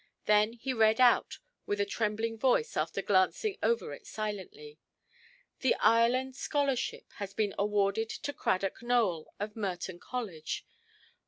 Then he read out with a trembling voice, after glancing over it silently: "The Ireland scholarship has been awarded to Cradock Nowell, of Merton College.